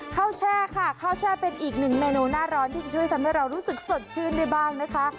แช่ค่ะข้าวแช่เป็นอีกหนึ่งเมนูหน้าร้อนที่จะช่วยทำให้เรารู้สึกสดชื่นได้บ้างนะคะ